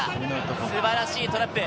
素晴らしいトラップ。